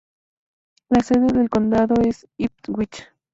La sede del condado es Ipswich.